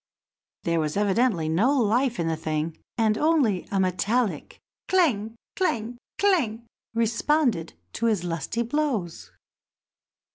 There was evidently no life in the thing, and only a metallic clang! clang! responded to his lusty blows.